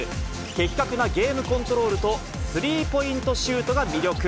的確なゲームコントロールとスリーポイントシュートが魅力。